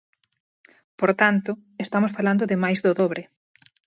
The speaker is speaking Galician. Por tanto, estamos falando de máis do dobre.